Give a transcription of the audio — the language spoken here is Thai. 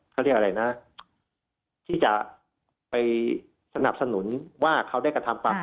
เขาเรียกอะไรนะที่จะไปสนับสนุนว่าเขาได้กระทำความผิด